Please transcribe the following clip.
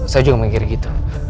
saya juga mengikir gitu